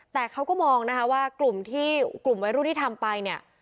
แต่เขาก็มองนะคะว่ากลุ่มที่กลุ่มวัยรุ่นที่ทำไปเนี่ย